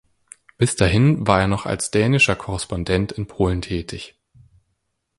Bis dahin war er noch als dänischer Korrespondent in Polen tätig.